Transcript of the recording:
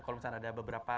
kalau misalnya ada beberapa